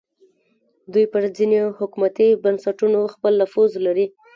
دوی پر ځینو حکومتي بنسټونو خپل نفوذ لري